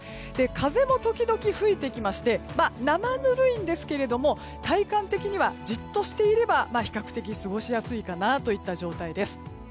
風も時々吹いてきまして生ぬるいんですけども体感的にはじっとしていれば比較的過ごしやすいかなといった状態です。